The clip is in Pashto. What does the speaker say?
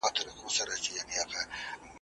شمعي ته څه مه وایه! ,